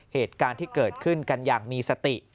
เหตุการณ์ที่เกิดขึ้นกันอย่างมีสติ